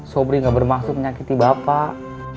sobri gak bermaksud menyakiti bapak